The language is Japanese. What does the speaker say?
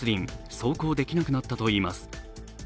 走行できなくなったといいます。